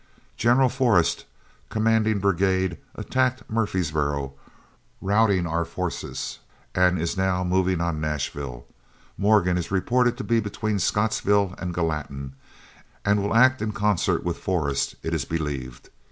General Forrest, commanding brigade, attacked Murfreesboro, routing our forces, and is now moving on Nashville. Morgan is reported to be between Scottsville and Gallatin, and will act in concert with Forrest, it is believed.